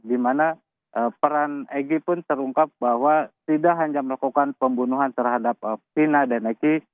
dimana peran eki pun terungkap bahwa tidak hanya melakukan pembunuhan terhadap fina dan eki